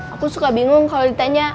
aku suka bingung kalau ditanya